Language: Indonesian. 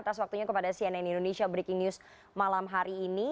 atas waktunya kepada cnn indonesia breaking news malam hari ini